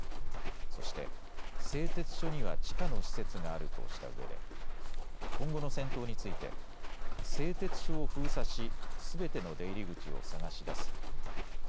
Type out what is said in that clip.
そして、製鉄所には地下の施設があるとしたうえで今後の戦闘について製鉄所を封鎖し、すべての出入り口を探し出す。